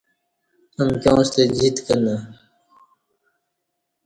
امکیوں ستہ جیت کنہ